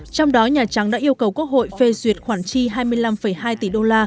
trong đó nhà trắng đã yêu cầu quốc hội phê duyệt khoản chi hai mươi năm hai tỷ đô la